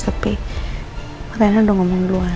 tapi katanya udah ngomong duluan